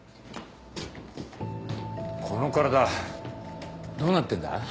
この体どうなってんだ？